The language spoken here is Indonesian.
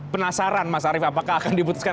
penasaran mas arief apakah akan diputuskan